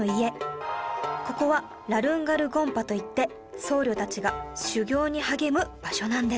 ここはラルンガル・ゴンパといって僧侶たちが修行に励む場所なんです